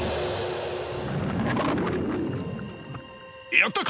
やったか？